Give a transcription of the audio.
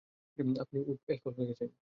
আপনি wood alcohol খেয়েছেন?